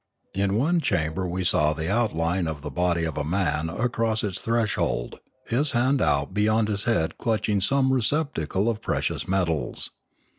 In one cham ber we saw the outline of the body of a man across its threshold, his hand out beyond his head clutching some receptacle of precious metals.